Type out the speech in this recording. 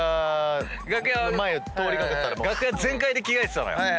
楽屋全開で着替えてたのよ。